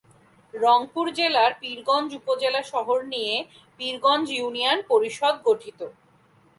রংপুর জেলার পীরগঞ্জ উপজেলা শহর নিয়ে পীরগঞ্জ ইউনিয়ন পরিষদ গঠিত।